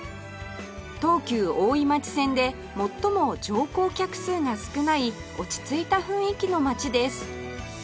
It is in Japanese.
東急大井町線で最も乗降客数が少ない落ち着いた雰囲気の町です